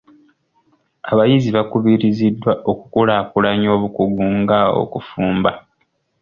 Abayizi bakubiriziddwa okulaakulanya obukugu nga okufumba.